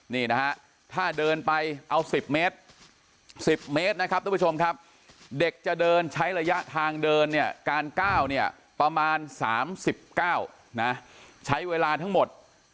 นี่นะฮะถ้าเดินไปเอา๑๐เมตร๑๐เมตรนะครับทุกผู้ชมครับเด็กจะเดินใช้ระยะทางเดินเนี่ยการก้าวเนี่ยประมาณ๓๙นะใช้เวลาทั้งหมด